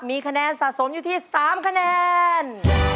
มีคะแนนสะสมอยู่ที่๓คะแนน